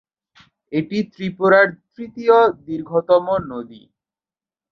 এটি ত্রিপুরার ত্রিতীয় দীর্ঘতম নদী।